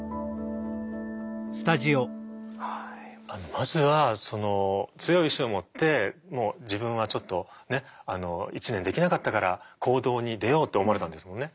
まずはその強い意志を持ってもう自分はちょっとね１年できなかったから行動に出ようって思われたんですもんね。